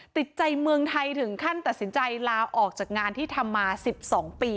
ติดใจเมืองไทยถึงขั้นตัดสินใจลาออกจากงานที่ทำมา๑๒ปี